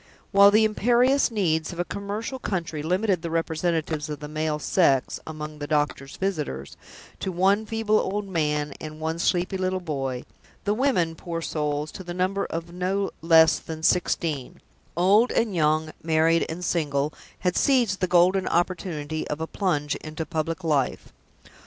While the imperious needs of a commercial country limited the representatives of the male sex, among the doctor's visitors, to one feeble old man and one sleepy little boy, the women, poor souls, to the number of no less than sixteen old and young, married and single had seized the golden opportunity of a plunge into public life.